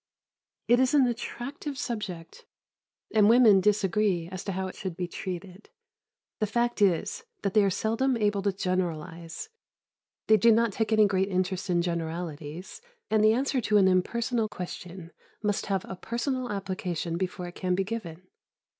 It is an attractive subject, and women disagree as to how it should be treated. The fact is, that they are seldom able to generalise; they do not take any great interest in generalities, and the answer to an impersonal question must have a personal application before it can be given.